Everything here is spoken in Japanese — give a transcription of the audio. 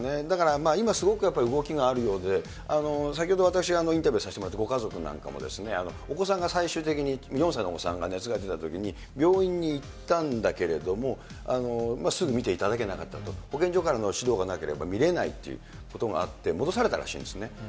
だから今、すごく動きがあるようで、先ほど私がインタビューさせていただいたご家族なんかも、お子さんが最終的に、４歳のお子さんが熱が出たときに、病院に行ったんだけれども、すぐ診ていただけなかったと、保健所からの指導がなければ診れないということがあって、戻されたらしいんですね。